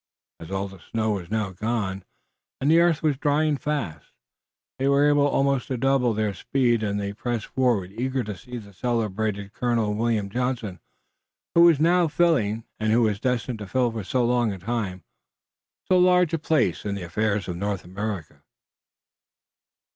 As all the snow was now gone, and the earth was drying fast, they were able almost to double their speed and they pressed forward, eager to see the celebrated Colonel William Johnson, who was now filling and who was destined to fill for so long a time so large a place in the affairs of North America.